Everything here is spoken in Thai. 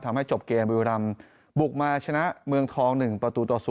ทำให้จบเกมบุรีรำบุกมาชนะเมืองทอง๑ประตูต่อ๐